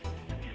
nah terima kasih